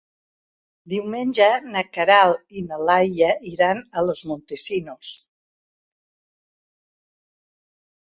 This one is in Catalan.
Diumenge na Queralt i na Laia iran a Los Montesinos.